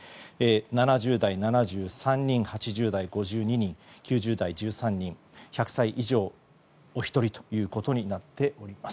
７０代、７３人８０代、５２人９０代、１３人１００歳以上、お一人ということになっております。